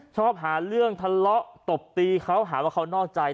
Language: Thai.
ชอบหาเรื่องทะเลาะตบตีเขาหาว่าเขานอกใจ